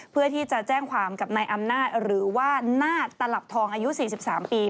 เพื่อที่จะแจ้งความกับนายอำนาจหรือว่านาฏตลับทองอายุ๔๓ปี